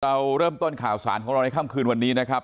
เราเริ่มต้นข่าวสารของเราในค่ำคืนวันนี้นะครับ